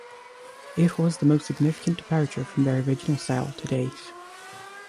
It was the most significant departure from their original style to date.